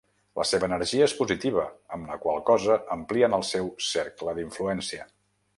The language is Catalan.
La seva energia és positiva, amb la qual cosa amplien el seu cercle d'influència.